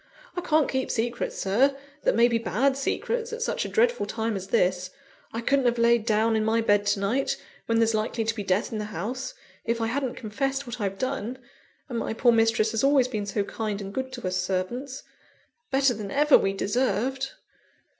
I can't keep secrets, Sir, that may be bad secrets, at such a dreadful time as this; I couldn't have laid down in my bed to night, when there's likely to be death in the house, if I hadn't confessed what I've done; and my poor mistress has always been so kind and good to us servants better than ever we deserved."